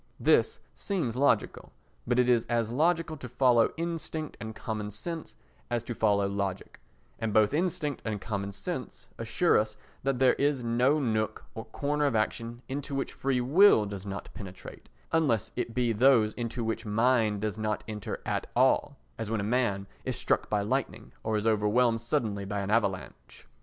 This seems logical, but it is as logical to follow instinct and common sense as to follow logic, and both instinct and common sense assure us that there is no nook or corner of action into which free will does not penetrate, unless it be those into which mind does not enter at all, as when a man is struck by lightning or is overwhelmed suddenly by an avalanche.